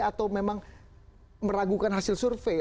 atau memang meragukan hasil survei